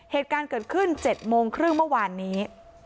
เหตุการณ์เกิดขึ้น๗โมงครึ่งเมื่อวานนี้